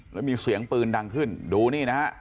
แล้วมีเสียงปืนดังขึ้นดูนี่นะฮะ